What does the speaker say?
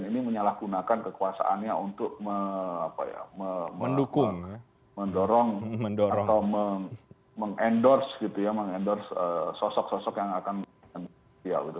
menyalahgunakan kekuasaannya untuk mendukung mendorong atau meng endorse sosok sosok yang akan dihentikan